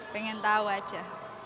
pengen tahu aja